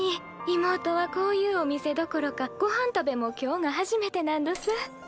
いもうとはこういうお店どころかごはんたべも今日が初めてなんどす。